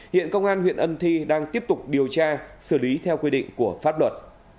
hiện công an huyện ân thi đang tiếp tục điều tra xử lý theo quy định của pháp luật